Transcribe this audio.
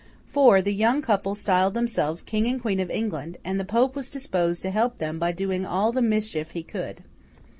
For, the young couple styled themselves King and Queen of England, and the Pope was disposed to help them by doing all the mischief he could.